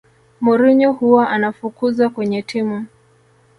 mourinho huwa anafukuzwakwenye timu